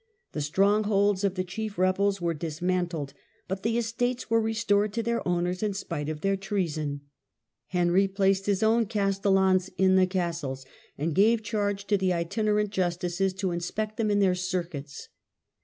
The strongholds of the chief rebels were dismantled, but the estates were restored to their owners in spite of their treason. Henry placed his own castellans in the castles, and gave charge to the itinerant justices to inspect them in their circuits.